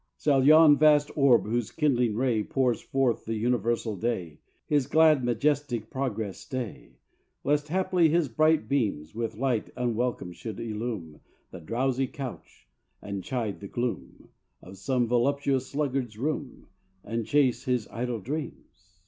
Shall yon vast orb whose kindling ray Pours forth the universal day His glad, majestic progress stay, Lest, haply, his bright beams With light unwelcome should illume The drowsy couch, and chide the gloom Of some voluptuous sluggard's room, And chase his idle dreams?